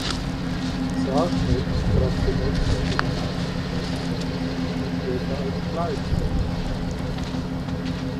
Sarstedt trat zunächst unter dem Namen "Wes Sands" und später als "Clive Sands" auf.